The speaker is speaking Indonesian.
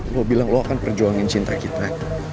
lo bilang lo akan perjuangin cinta kita